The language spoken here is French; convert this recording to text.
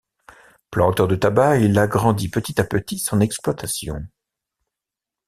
Planteur de tabac, il agrandit petit à petit son exploitation.